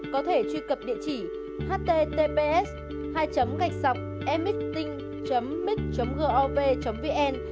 có thể truy cập địa chỉ https hai meeting meeting gov vn